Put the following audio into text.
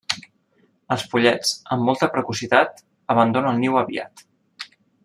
Els pollets, amb molta precocitat, abandona el niu aviat.